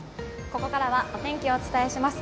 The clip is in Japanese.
ここからはお天気をお伝えします。